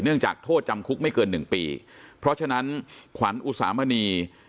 เนื่องจากโทษจำคุกไม่เกิน๑ปีเพราะฉะนั้นขวัญอุสามณี